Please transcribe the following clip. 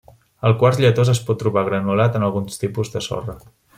El quars lletós es pot trobar granulat en alguns tipus de sorra.